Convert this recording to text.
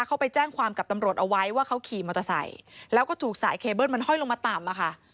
เขาไปแจ้งความกับตำรวจเอาไว้ว่าเขาขี่มอเตอร์ไซค์แล้วก็ถูกสายเคเบิ้ลมันห้อยลงมาต่ำอะค่ะ